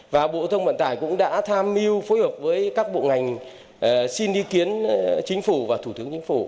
và bộ thông vận tải cũng đã tham mưu phối hợp với các bộ ngành xin ý kiến chính phủ và thủ tướng chính phủ